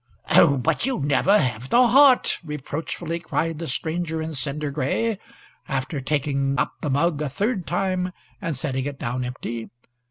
"Oh, but you'll never have the heart!" reproachfully cried the stranger in cinder gray, after taking up the mug a third time and setting it down empty.